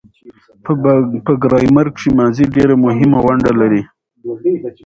په ګرامر کښي ماضي ډېره مهمه ونډه لري.